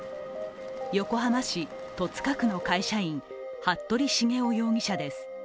横浜市戸塚区の会社員服部繁雄容疑者です。